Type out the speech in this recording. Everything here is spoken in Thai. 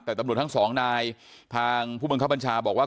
แต่ตำรวจทั้งสองนายทางผู้บังคับบัญชาบอกว่า